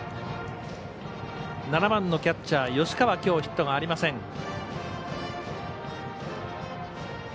７番のキャッチャー吉川、きょうヒットがありません。